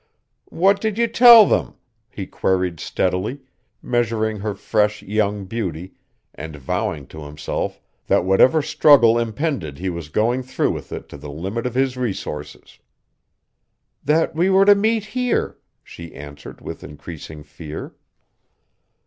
"What did you tell them?" he queried steadily, measuring her fresh, young beauty and vowing to himself that whatever struggle impended he was going through with it to the limit of his resources. "That we were to meet here," she answered with increasing fear.